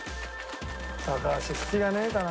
高橋引きがねえからな。